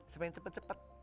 saya pengen cepet cepet